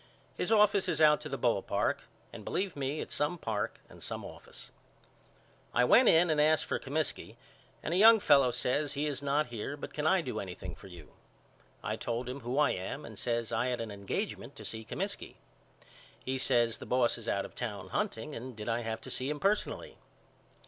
His office is out to the ball park and believe me its some park and some office. I went in and asked for Comiskey and a young fellow says He is not here now but can I do anything for you? I told him who I am and says I had an engagement to see Comiskey. He says The boss is out of town hunting and did I have to see him personally?